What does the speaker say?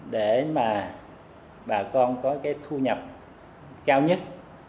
để mà bà con có thu nhập cao nhất